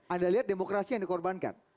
anda lihat demokrasi yang dikorbankan